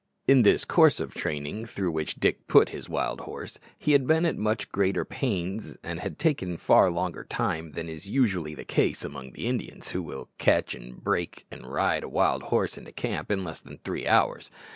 In this course of training through which Dick put his wild horse, he had been at much greater pains and had taken far longer time than is usually the case among the Indians, who will catch, and "break," and ride a wild horse into camp in less than three hours.